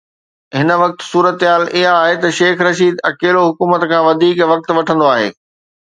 هن وقت صورتحال اها آهي ته شيخ رشيد اڪيلو حڪومت کان وڌيڪ وقت وٺندو آهي.